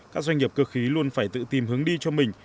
các doanh nghiệp cơ khí luôn phải tự tìm hướng đi cho mình